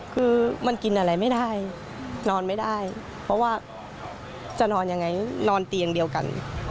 คือมันกินอะไรไม่ได้นอนไม่ได้เพราะว่าจะนอนยังไงนอนเตียงเดียวกัน